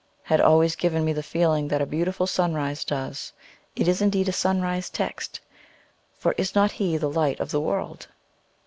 had always given me the feeling that a beautiful sunrise does. It is indeed a sunrise text, for is not He the Light of the World?